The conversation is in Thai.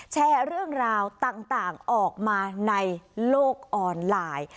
แชร์เรื่องราวต่างออกมาในโลกออนไลน์